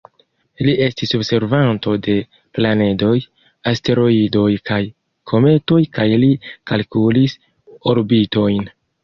Li estis observanto de planedoj, asteroidoj kaj kometoj kaj li kalkulis orbitojn.